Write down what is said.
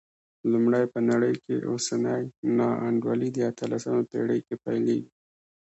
لومړی، په نړۍ کې اوسنۍ نا انډولي د اتلسمې پېړۍ کې پیلېږي.